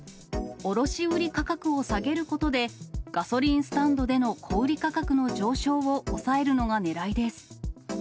卸売り価格を下げることで、ガソリンスタンドでの小売り価格の上昇を抑えるのがねらいです。